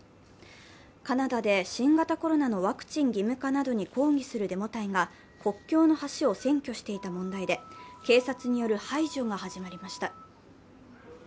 カナダで新型コロナのワクチン義務化などに抗議するデモ隊が国境の橋を占拠していた問題で、警察による排除が始まりました。